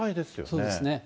そうですね。